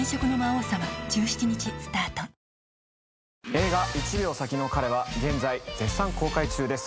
映画『１秒先の彼』は現在絶賛公開中です。